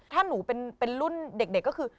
ถ้าหนูเป็นรุ่นเด็กก็คือ